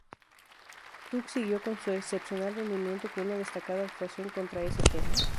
Tuck siguió con su excepcional rendimiento con una destacada actuación contra St.